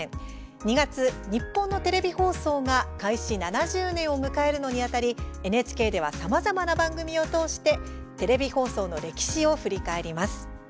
２月、日本のテレビ放送が開始７０年を迎えるのにあたりＮＨＫではさまざまな番組を通してテレビ放送の歴史を振り返ります。